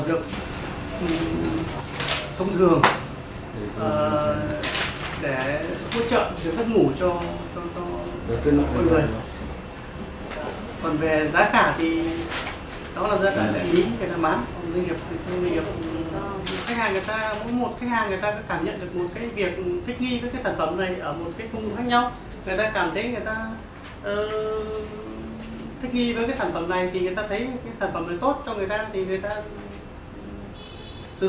người ta cảm thấy người ta thích nghi với cái sản phẩm này thì người ta thấy cái sản phẩm này tốt cho người ta thì người ta sử dụng